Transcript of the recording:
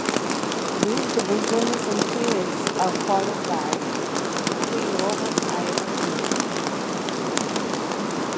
These divisions and periods are followed by the Pre-Roman Iron Age.